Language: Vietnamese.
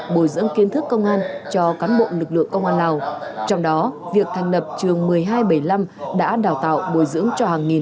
bồi dưỡng kiến thức công an